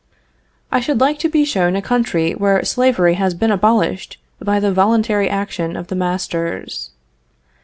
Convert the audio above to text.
I should like to be shown a country where slavery has been abolished by the voluntary action of the masters.